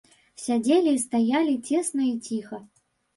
Сядзелі і стаялі цесна і ціха.